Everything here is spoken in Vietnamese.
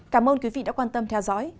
cảm ơn quý vị đã quan tâm theo dõi